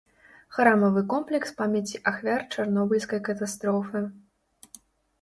Храмавы комплекс памяці ахвяр чарнобыльскай катастрофы.